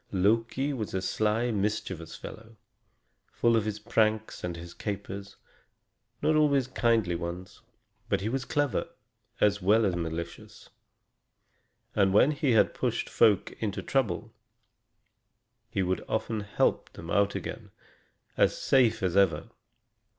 Loki was a sly, mischievous fellow, full of his pranks and his capers, not always kindly ones. But he was clever, as well as malicious; and when he had pushed folk into trouble, he could often help them out again, as safe as ever.